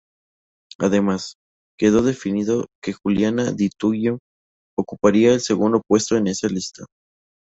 Además, quedó definido que Juliana Di Tullio ocuparía el segundo puesto en esa lista.